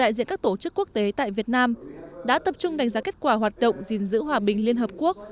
đại diện các tổ chức quốc tế tại việt nam đã tập trung đánh giá kết quả hoạt động gìn giữ hòa bình liên hợp quốc